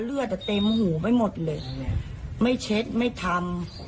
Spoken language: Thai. เลือดอ่ะเต็มหูไม่หมดเลยไม่เช็ดไม่ทำ